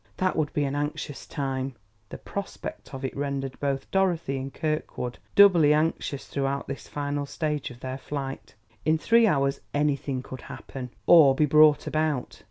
That would be an anxious time; the prospect of it rendered both Dorothy and Kirkwood doubly anxious throughout this final stage of their flight. In three hours anything could happen, or be brought about.